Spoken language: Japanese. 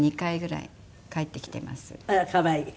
あら可愛い。